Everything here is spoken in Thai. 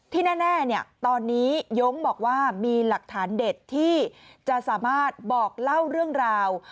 แน่ตอนนี้ย้งบอกว่ามีหลักฐานเด็ดที่จะสามารถบอกเล่าเรื่องราว